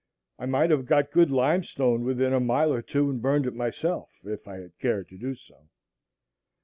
I might have got good limestone within a mile or two and burned it myself, if I had cared to do so.